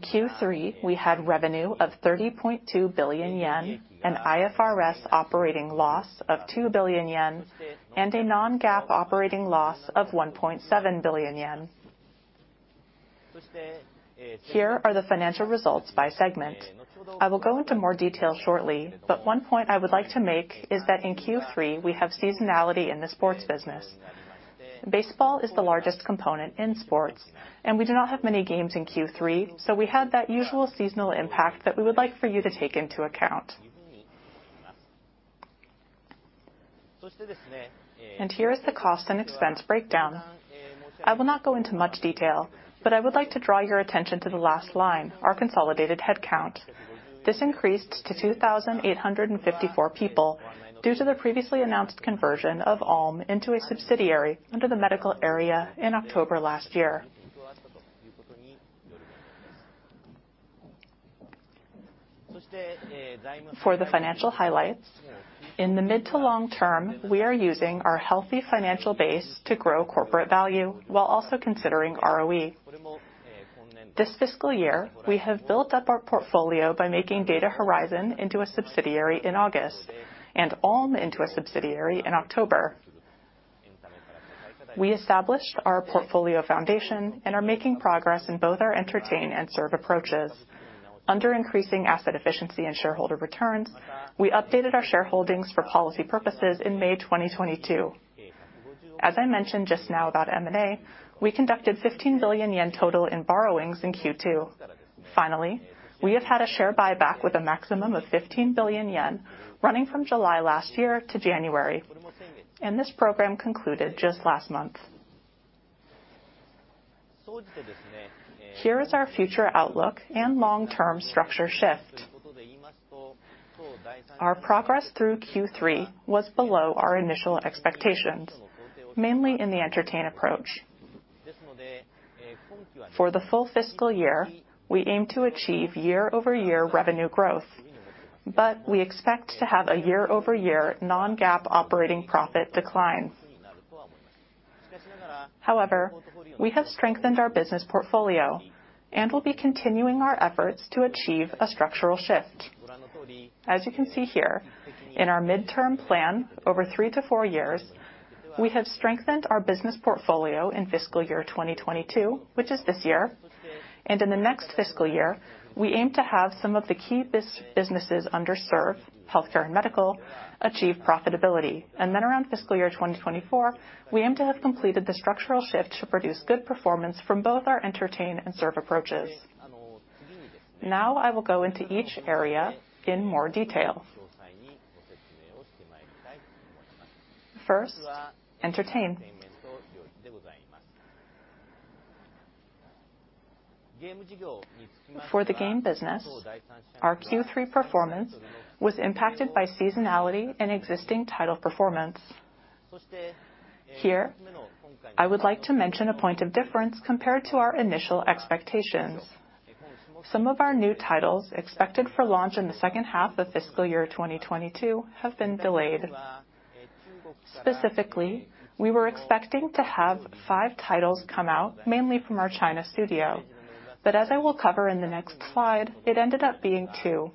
In Q3, we had revenue of 30.2 billion yen, an IFRS operating loss of 2 billion yen, and a non-GAAP operating loss of 1.7 billion yen. Here are the financial results by segment. I will go into more detail shortly, but one point I would like to make is that in Q3, we have seasonality in the sports business. Baseball is the largest component in sports, and we do not have many games in Q3, so we had that usual seasonal impact that we would like for you to take into account. Here is the cost and expense breakdown. I will not go into much detail, but I would like to draw your attention to the last line, our consolidated head count. This increased to 2,854 people due to the previously announced conversion of Allm into a subsidiary under the medical area in October last year. For the financial highlights, in the mid to long term, we are using our healthy financial base to grow corporate value while also considering ROE. This fiscal year, we have built up our portfolio by making Data Horizon into a subsidiary in August and Allm into a subsidiary in October. We established our portfolio foundation and are making progress in both our Entertain and Serve approaches. Under increasing asset efficiency and shareholder returns, we updated our shareholdings for policy purposes in May 2022. As I mentioned just now about M&A, we conducted 15 billion yen total in borrowings in Q2. We have had a share buyback with a maximum of 15 billion yen running from July last year to January. This program concluded just last month. Here is our future outlook and long-term structure shift. Our progress through Q3 was below our initial expectations, mainly in the Entertain approach. For the full fiscal year, we aim to achieve year-over-year revenue growth. We expect to have a year-over-year non-GAAP operating profit decline. We have strengthened our business portfolio and will be continuing our efforts to achieve a structural shift. As you can see here, in our midterm plan, over three to four years, we have strengthened our business portfolio in fiscal year 2022, which is this year. In the next fiscal year, we aim to have some of the key businesses under Serve, healthcare and medical, achieve profitability. Around fiscal year 2024, we aim to have completed the structural shift to produce good performance from both our Entertain and Serve approaches. I will go into each area in more detail. First, Entertain. For the game business, our Q3 performance was impacted by seasonality and existing title performance. Here, I would like to mention a point of difference compared to our initial expectations. Some of our new titles expected for launch in the second half of fiscal year 2022 have been delayed. Specifically, we were expecting to have five titles come out mainly from our China studio, but as I will cover in the next slide, it ended up being two.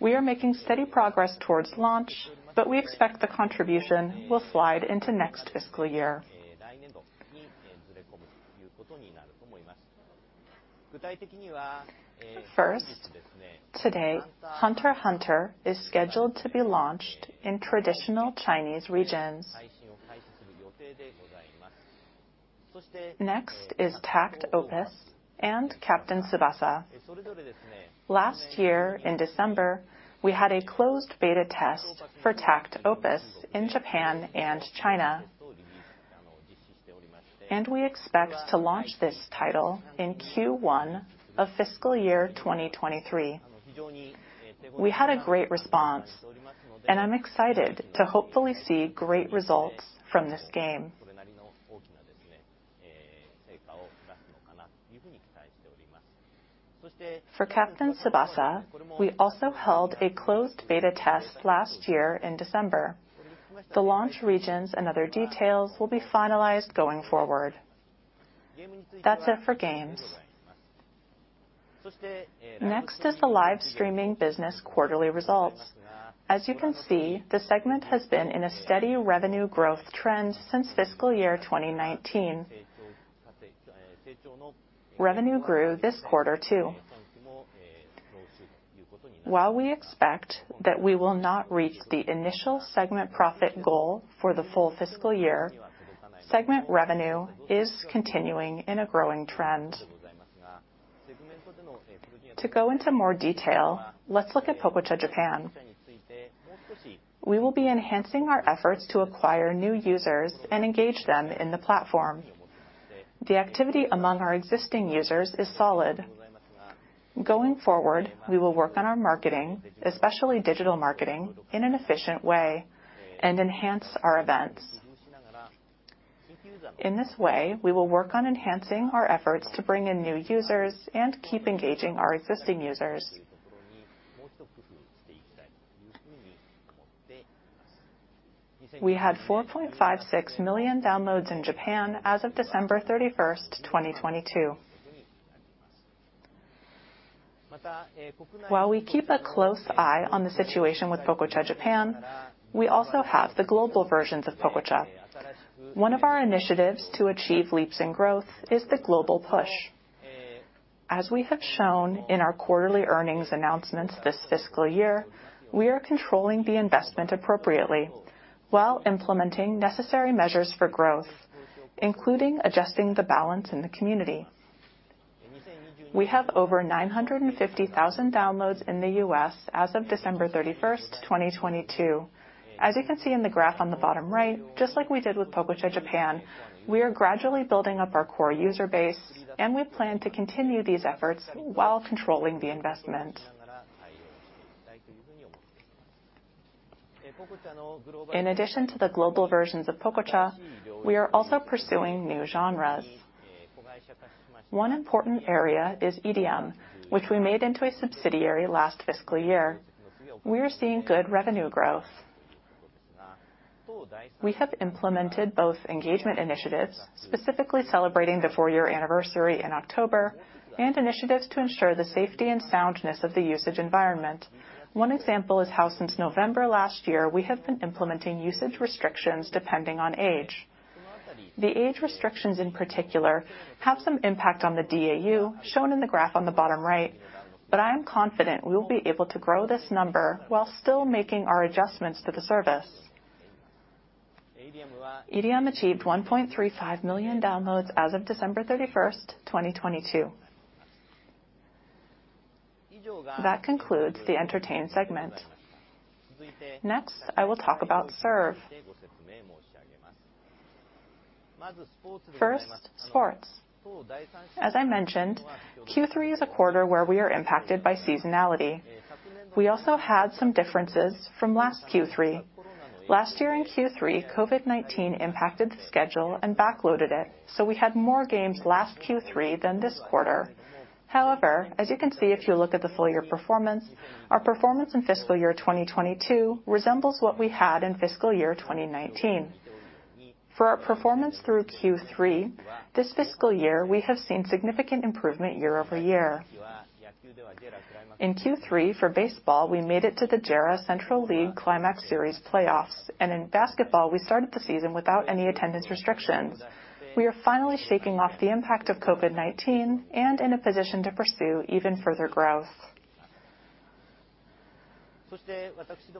We are making steady progress towards launch, but we expect the contribution will slide into next fiscal year. First, today, Hunter × Hunter is scheduled to be launched in traditional Chinese regions. Next is takt op. and Captain Tsubasa. Last year, in December, we had a closed beta test for takt op. in Japan and China. We expect to launch this title in Q1 of fiscal year 2023. We had a great response. I'm excited to hopefully see great results from this game. For Captain Tsubasa, we also held a closed beta test last year in December. The launch regions and other details will be finalized going forward. That's it for games. Next is the live streaming business quarterly results. As you can see, the segment has been in a steady revenue growth trend since fiscal year 2019. Revenue grew this quarter too. While we expect that we will not reach the initial segment profit goal for the full fiscal year, segment revenue is continuing in a growing trend. To go into more detail, let's look at Pococha Japan. We will be enhancing our efforts to acquire new users and engage them in the platform. The activity among our existing users is solid. Going forward, we will work on our marketing, especially digital marketing, in an efficient way and enhance our events. In this way, we will work on enhancing our efforts to bring in new users and keep engaging our existing users. We had 4.56 million downloads in Japan as of December 31, 2022. While we keep a close eye on the situation with Pococha Japan, we also have the global versions of Pococha. One of our initiatives to achieve leaps in growth is the global push. As we have shown in our quarterly earnings announcements this fiscal year, we are controlling the investment appropriately while implementing necessary measures for growth, including adjusting the balance in the community. We have over 950,000 downloads in the U.S. as of December 31, 2022. As you can see in the graph on the bottom right, just like we did with Pococha Japan, we are gradually building up our core user base, and we plan to continue these efforts while controlling the investment. In addition to the global versions of Pococha, we are also pursuing new genres. One important area is EDM, which we made into a subsidiary last fiscal year. We are seeing good revenue growth. We have implemented both engagement initiatives, specifically celebrating the 4-year anniversary in October, and initiatives to ensure the safety and soundness of the usage environment. One example is how since November last year, we have been implementing usage restrictions depending on age. The age restrictions in particular have some impact on the DAU, shown in the graph on the bottom right, but I am confident we will be able to grow this number while still making our adjustments to the service. EDM achieved 1.35 million downloads as of December 31, 2022. That concludes the Entertain segment. I will talk about Serve. Sports. As I mentioned, Q3 is a quarter where we are impacted by seasonality. We also had some differences from last Q3. Last year in Q3, COVID-19 impacted the schedule and backloaded it, so we had more games last Q3 than this quarter. However, as you can see if you look at the full year performance, our performance in fiscal year 2022 resembles what we had in fiscal year 2019. For our performance through Q3, this fiscal year we have seen significant improvement year-over-year. In Q3, for baseball, we made it to the JERA Central League Climax Series playoffs, and in basketball, we started the season without any attendance restrictions. We are finally shaking off the impact of COVID-19 and in a position to pursue even further growth.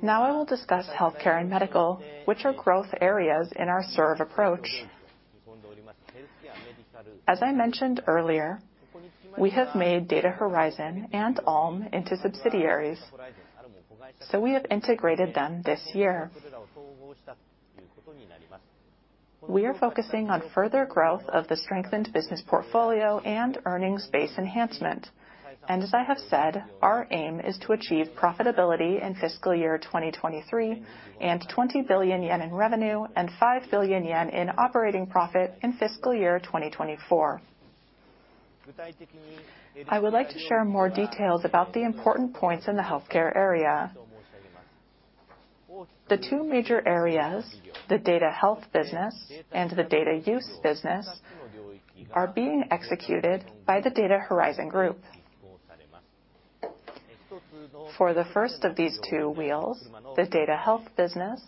Now I will discuss healthcare and medical, which are growth areas in our Serve approach. As I mentioned earlier, we have made Data Horizon and Allm into subsidiaries, so we have integrated them this year. We are focusing on further growth of the strengthened business portfolio and earnings base enhancement. As I have said, our aim is to achieve profitability in fiscal year 2023 and 20 billion yen in revenue and 5 billion yen in operating profit in fiscal year 2024. I would like to share more details about the important points in the healthcare area. The two major areas, the Data Health business and the data use business, are being executed by the Data Horizon Group. For the first of these two wheels, the Data Health business,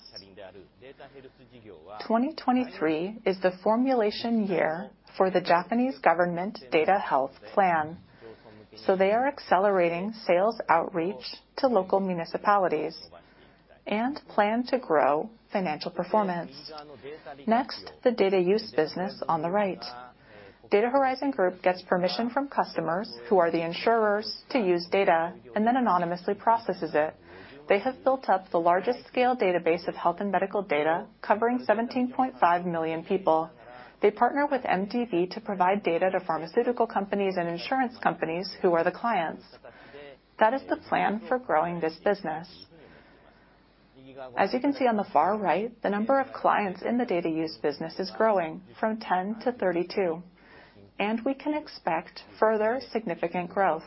2023 is the formulation year for the Japanese government Data Health Plan. They are accelerating sales outreach to local municipalities and plan to grow financial performance. Next, the data use business on the right. Data Horizon Group gets permission from customers, who are the insurers, to use data and then anonymously processes it. They have built up the largest scale database of health and medical data covering 17.5 million people. They partner with MDV to provide data to pharmaceutical companies and insurance companies who are the clients. That is the plan for growing this business. As you can see on the far right, the number of clients in the data use business is growing from 10 to 32, and we can expect further significant growth.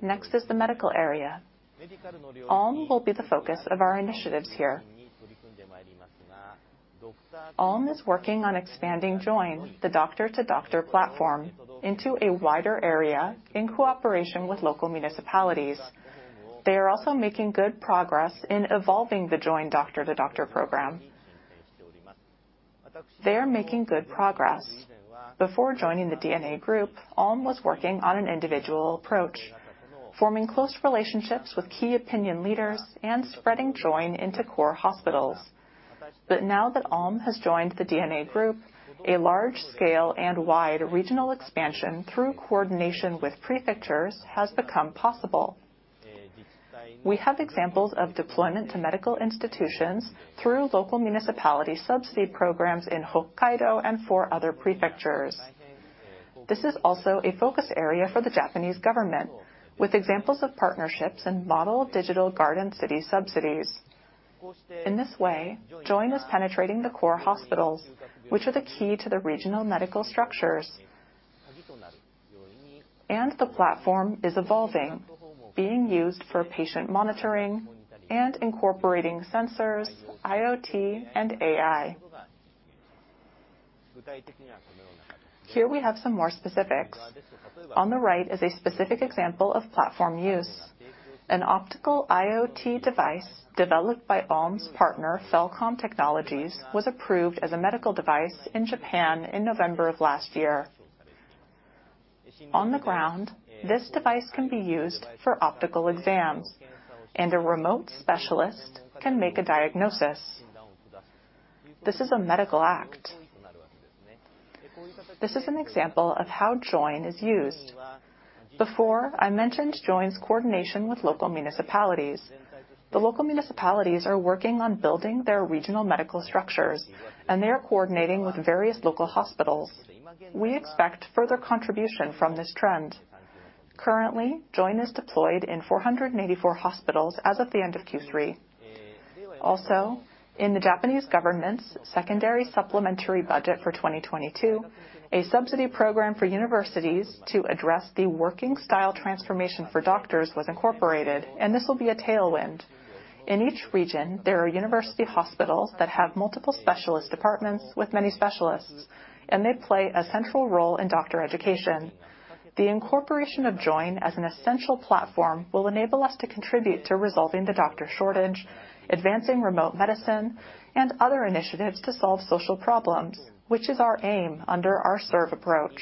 Next is the medical area. Allm will be the focus of our initiatives here. Allm is working on expanding Join, the doctor-to-doctor platform, into a wider area in cooperation with local municipalities. They are also making good progress in evolving the Join doctor-to-doctor program. They are making good progress. Before joining the DeNA Group, Allm was working on an individual approach, forming close relationships with key opinion leaders and spreading Join into core hospitals. Now that Allm has joined the DeNA Group, a large-scale and wide regional expansion through coordination with prefectures has become possible. We have examples of deployment to medical institutions through local municipality subsidy programs in Hokkaido and four other prefectures. This is also a focus area for the Japanese government, with examples of partnerships and model Digital Garden City subsidies. In this way, Join is penetrating the core hospitals, which are the key to the regional medical structures. The platform is evolving, being used for patient monitoring and incorporating sensors, IoT, and AI. Here we have some more specifics. On the right is a specific example of platform use. An optical IoT device developed by Allm's partner, Phelcom Technologies, was approved as a medical device in Japan in November of last year. On the ground, this device can be used for optical exams, and a remote specialist can make a diagnosis. This is a medical act. This is an example of how Join is used. Before, I mentioned Join's coordination with local municipalities. The local municipalities are working on building their regional medical structures, and they are coordinating with various local hospitals. We expect further contribution from this trend. Currently, Join is deployed in 484 hospitals as of the end of Q3. In the Japanese government's secondary supplementary budget for 2022, a subsidy program for universities to address the working style transformation for doctors was incorporated, and this will be a tailwind. In each region, there are university hospitals that have multiple specialist departments with many specialists, and they play a central role in doctor education. The incorporation of Join as an essential platform will enable us to contribute to resolving the doctor shortage, advancing remote medicine, and other initiatives to solve social problems, which is our aim under our Serve approach.